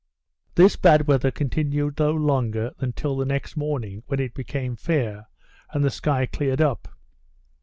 This bad weather continued no longer than till the next morning, when it became fair, and the sky cleared up.